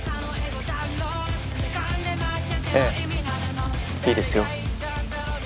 ええいいですよ。